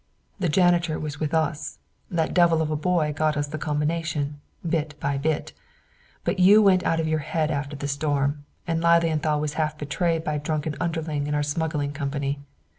The janitor was with us, that devil of a boy got us the combination, bit by bit; but you went out of your head after the storm, and Lilienthal was half betrayed by a drunken underling in our smuggling company.